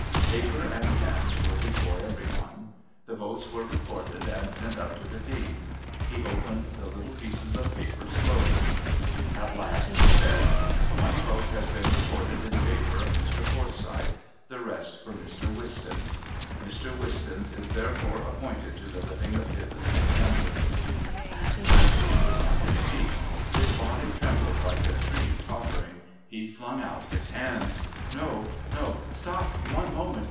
Paper and pens were before every one. The votes were recorded and sent up to the Dean. He opened the little pieces of paper slowly. At last he said: "One vote has been recorded in favour of Mr. Forsyth, the rest for Mr. Wistons. Mr. Wistons is therefore appointed to the living of Pybus St. Anthony." Brandon was on his feet. His body trembled like a tree tottering. He flung out his hands. "No.... No.... Stop one moment.